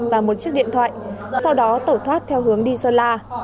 và một chiếc điện thoại sau đó tẩu thoát theo hướng đi sơn la